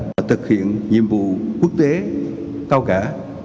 và thực hiện nhiệm vụ quốc tế cao cả